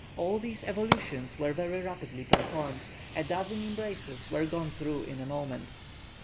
All these evolutions were very rapidly performed; a dozen embraces were gone through in a moment.